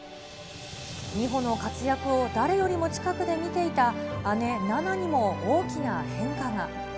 美帆の活躍を誰よりも近くで見ていた姉、菜那にも大きな変化が。